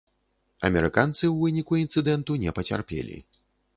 Амерыканцы ў выніку інцыдэнту не пацярпелі.